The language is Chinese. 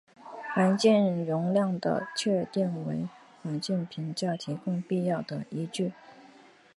环境容量的确定为环境评价提供必要的依据。